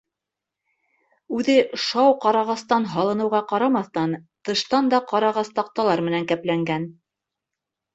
Үҙе, шау ҡарағастан һалыныуға ҡарамаҫтан, тыштан да ҡарағас таҡталар менән кәпләнгән.